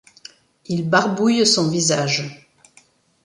il barbouille son visage